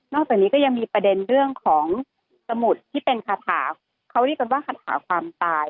จากนี้ก็ยังมีประเด็นเรื่องของสมุดที่เป็นคาถาเขาเรียกกันว่าคาถาความตาย